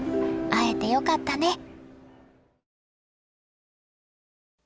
会えてよかったね。